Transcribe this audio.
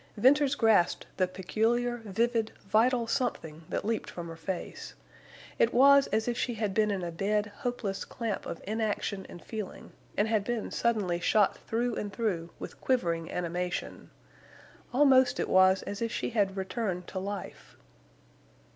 Venters grasped the peculiar, vivid, vital something that leaped from her face. It was as if she had been in a dead, hopeless clamp of inaction and feeling, and had been suddenly shot through and through with quivering animation. Almost it was as if she had returned to life.